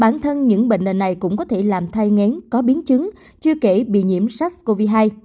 này cũng có thể làm thai ngán có biến chứng chưa kể bị nhiễm sars cov hai